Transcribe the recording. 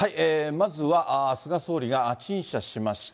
まずは菅総理が陳謝しました。